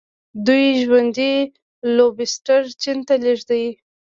دوی ژوندي لوبسټر چین ته لیږي.